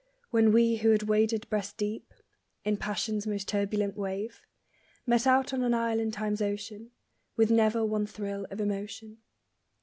When we who had waded breast deep In passion's most turbulent wave Met out on an isle in Time's ocean, With never one thrill of emotion.